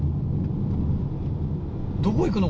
どこ行くの？